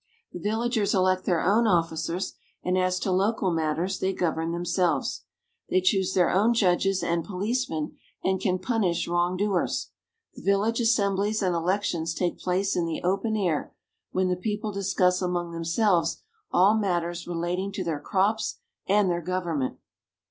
The villagers elect their own officers, and as to local matters, they govern themselves. They choose their own judges and policemen, and can punish wrong doers. The village assemblies and elections take place in the open air, when the people discuss among themselves all matters relating to their crops and their government.